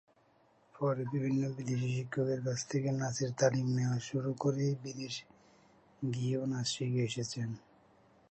পরে বিভিন্ন বিদেশী শিক্ষকদের কাছ থেকে নাচের তালিম নেয়া থেকে শুরু করে বিদেশে গিয়েও নাচ শিখে এসেছেন।